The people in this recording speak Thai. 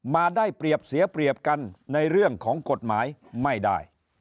มาได้เปรียบเสียเปรียบกันในเรื่องของกฎหมายไม่ได้